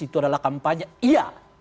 itu adalah kampanye iya